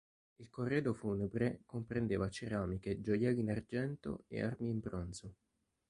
Il corredo funebre comprendeva ceramiche, gioielli in argento e armi in bronzo.